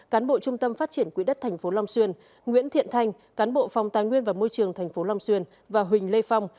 cán bộ trung tâm phát triển quỹ đất tp long xuyên nguyễn thiện thanh cán bộ phòng tài nguyên và môi trường tp long xuyên và huỳnh lê phong